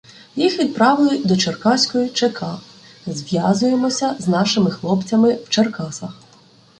їх відправили до Черкаської ЧК, Зв'язуємося з нашими хлопцями в Черкасах.